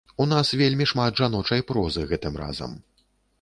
У нас вельмі шмат жаночай прозы гэтым разам.